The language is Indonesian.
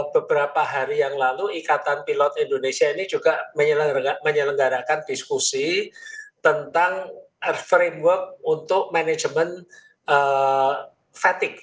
beberapa hari yang lalu ikatan pilot indonesia ini juga menyelenggarakan diskusi tentang framework untuk manajemen fatigue